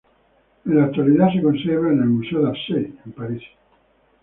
En la actualidad, se conserva en el Museo de Orsay, en París.